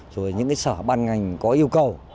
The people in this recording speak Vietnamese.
rồi những sở ban ngành có yêu cầu